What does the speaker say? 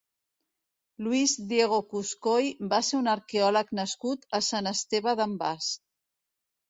Luis Diego Cuscoy va ser un arqueòleg nascut a Sant Esteve d'en Bas.